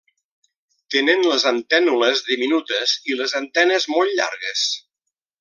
Tenen les antènules diminutes i les antenes molt llargues.